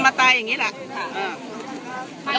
มีแต่โดนล้าลาน